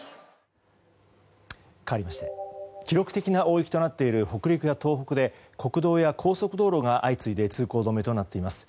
かわりまして記録的な大雪となっている北陸や東北で国道や高速道路が相次いで通行止めとなっています。